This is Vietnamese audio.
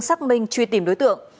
xác minh truy tìm đối tượng